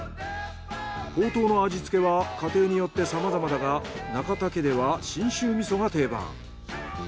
ほうとうの味付けは家庭によってさまざまだが仲田家では信州味噌が定番。